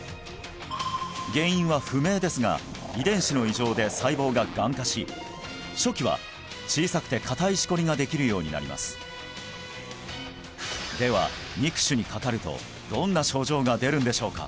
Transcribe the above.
原因は不明ですが遺伝子の異常で細胞ががん化し初期は小さくて硬いシコリができるようになりますでは肉腫にかかるとどんな症状が出るんでしょうか？